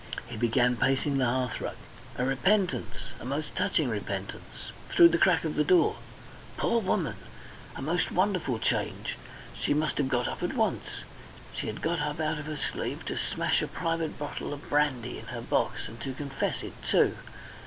He began pacing the hearthrug. "A repentance a most touching repentance through the crack of the door. Poor woman! A most wonderful change! She had got up. She must have got up at once. She had got up out of her sleep to smash a private bottle of brandy in her box. And to confess it too!...